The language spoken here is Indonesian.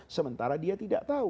sementara dia tidak tahu